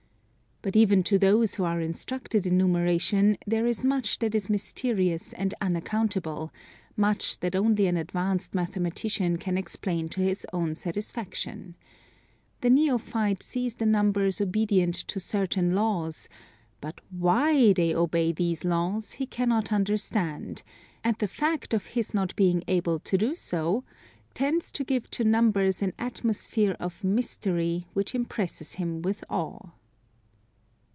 But even to those who are instructed in numeration, there is much that is mysterious and unaccountable, much that only an advanced mathematician can explain to his own satisfaction. The neophyte sees the numbers obedient to certain laws; but why they obey these laws he cannot understand; and the fact of his not being able so to do, tends to give to numbers an atmosphere of mystery which impresses him with awe.